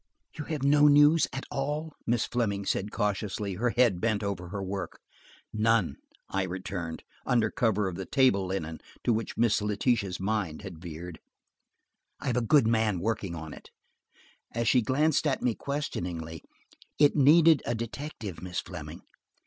"You have had no news at all?" Miss Fleming said cautiously, her head bent over her work. "None," I returned, under cover of the table linen to which Miss Letitia's mind had veered. "I have a good man working on it." As she glanced at me questioningly, "It needed a detective, Miss Fleming."